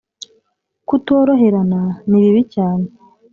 Kutoroherana ni bibi cyane